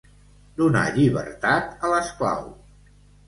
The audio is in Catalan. Donar llibertat a l'esclau.